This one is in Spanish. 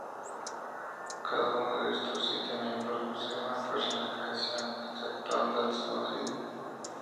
Cada uno de estos siete miembros posee una personificación, exceptuando al Desconocido.